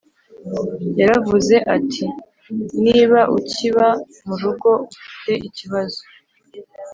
yaravuze ati niba ukiba mu rugo ufite ikibazo